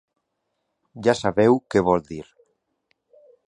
Ja sabeu què vol dir.